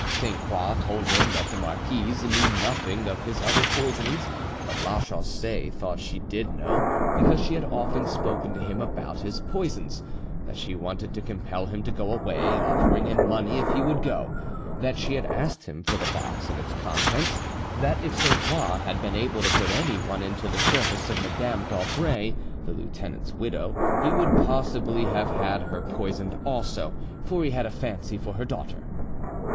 Sainte Croix told him that the marquise knew nothing of his other poisonings, but Lachaussee thought she did know, because she had often spoken to him about his poisons; that she wanted to compel him to go away, offering him money if he would go; that she had asked him for the box and its contents; that if Sainte Croix had been able to put anyone into the service of Madame d'Aubray, the lieutenant's widow, he would possibly have had her poisoned also; for he had a fancy for her daughter."